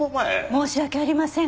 申し訳ありません。